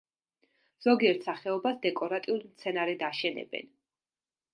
ზოგიერთ სახეობას დეკორატიულ მცენარედ აშენებენ.